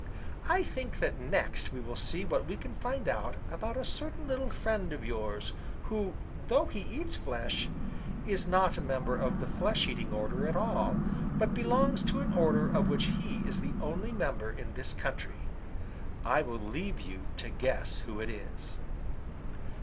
I think that next we will see what we can find out about a certain little friend of yours, who, though he eats flesh, is not a member of the flesh eating order at all, but belongs to an order of which he is the only member in this country. I will leave you to guess who it is."